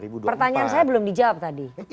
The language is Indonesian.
pertanyaan saya belum dijawab tadi